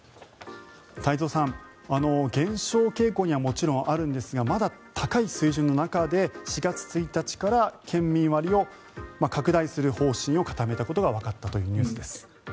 太蔵さん、減少傾向にはもちろんあるんですがまだ高い水準の中で４月１日から県民割を拡大する方針を固めたことがわかったというニュースです。